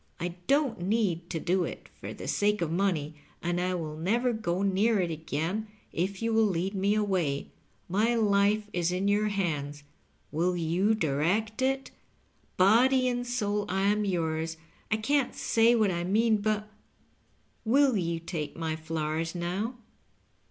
I don't need to do it for the sake of money, and I will never go near it again if you will lead me away. My life is in your hands — wiQ you direct it? Body and soul I am yours ; I can't say what I mean, but — ^will you take my flowers now